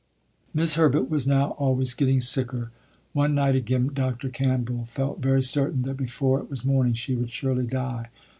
'Mis' Herbert was now always getting sicker. One night again Dr. Campbell felt very certain that before it was morning she would surely die.